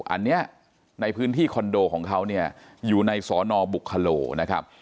อันนี้ในพื้นที่คอนโดของเขาเนี่ยอยู่ในสอนอบุคโลนะครับ